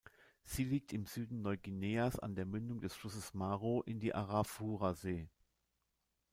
Sie liegt im Süden Neuguineas an der Mündung des Flusses Maro in die Arafurasee.